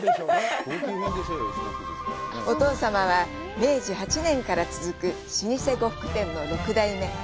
お父様は、明治８年から続く老舗呉服店の６代目。